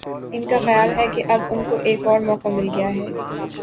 ان کا خیال ہے کہ اب ان کو ایک اور موقع مل گیا ہے۔